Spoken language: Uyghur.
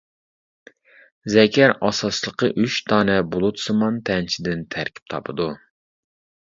زەكەر ئاساسلىقى ئۈچ دانە بۇلۇتسىمان تەنچىدىن تەركىب تاپىدۇ.